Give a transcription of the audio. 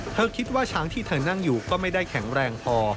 คิดว่าช้างที่เธอนั่งอยู่ก็ไม่ได้แข็งแรงพอ